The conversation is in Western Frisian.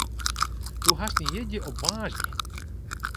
Do hast dyn jierdei op woansdei.